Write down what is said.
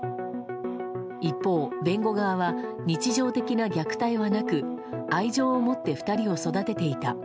一方、弁護側は日常的な虐待はなく愛情を持って２人を育てていた。